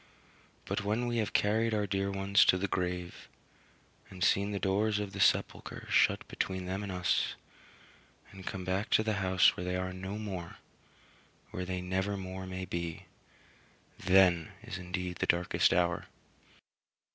But when we have carried our dear ones to the grave, and seen the doors of the sepulchre shut between them and us, and come back to the house where they are no more where they never more may be then is indeed the darkest hour.